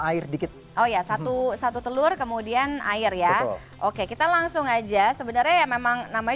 air dikit oh ya satu satu telur kemudian air ya oke kita langsung aja sebenarnya ya memang namanya